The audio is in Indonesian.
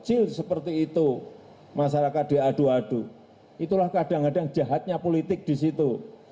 itu adalah kadang kadang jahatnya politik di situ